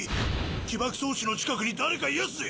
起爆装置の近くに誰かいやすぜ！